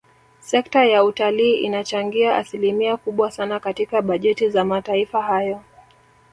Sekta ya utalii inachangia asilimia kubwa sana katika bajeti za mataifa hayo